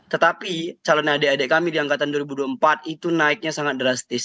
tetapi calon adik adik kami di angkatan dua ribu dua puluh empat itu naiknya sangat drastis